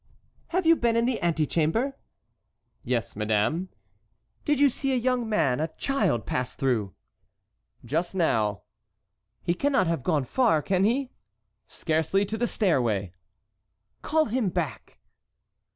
"Have you been in the antechamber?" "Yes, madame." "Did you see a young man, a child, pass through?" "Just now." "He cannot have gone far, can he?" "Scarcely to the stairway." "Call him back."